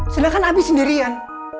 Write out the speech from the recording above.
sedangkan abi sendirian